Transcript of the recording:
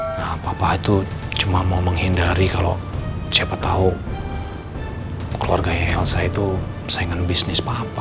nah papa itu cuma mau menghindari kalau siapa tahu keluarganya elsa itu saingan bisnis papa